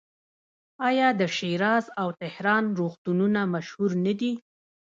آیا د شیراز او تهران روغتونونه مشهور نه دي؟